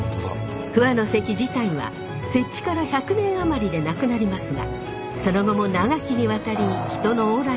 不破関自体は設置から１００年余りで無くなりますがその後も長きにわたり人の往来を制限。